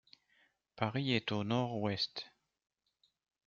Paris est à au nord-ouest.